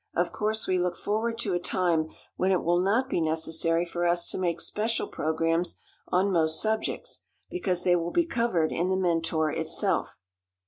Of course we look forward to a time when it will not be necessary for us to make special programs on most subjects, because they will be covered in The Mentor itself.